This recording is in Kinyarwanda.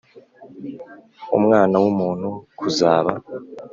Umwana w umuntu kuzaba